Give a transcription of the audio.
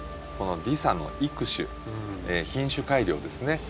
このディサの育種品種改良ですね。